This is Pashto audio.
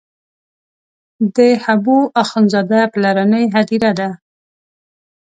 د حبو اخند زاده پلرنۍ هدیره ده.